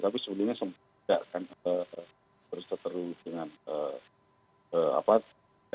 tapi sebetulnya tidak akan terus terusan dengan garis yang sama